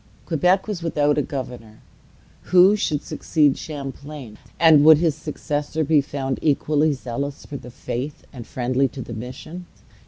Quebec was without a governor. Who should succeed Champlain? and would his successor be found equally zealous for the Faith, and friendly to the mission?